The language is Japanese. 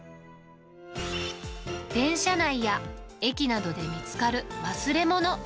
電車内や駅などで見つかる忘れ物。